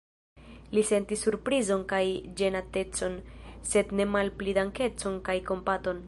Li sentis surprizon kaj ĝenatecon, sed ne malpli dankecon kaj kompaton.